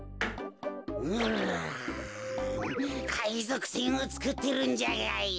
うかいぞくせんをつくってるんじゃがよ。